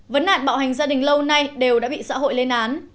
vấn nạn bạo hành gia đình lâu nay đều đã bị xã hội lên án